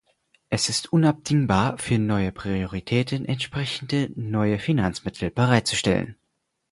Es ist unabdingbar, für neue Prioritäten entsprechende neue Finanzmittel bereitzustellen.